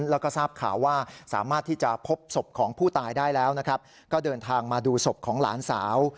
แล้วก็ทราบข่าวว่าสามารถที่จะพบศพของผู้ตายได้แล้วนะครับก็เดินทางมาดูศพของหลานสาว